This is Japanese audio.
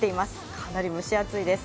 かなり蒸し暑いです。